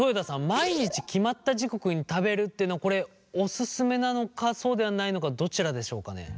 毎日決まった時刻に食べるっていうのこれオススメなのかそうではないのかどちらでしょうかね。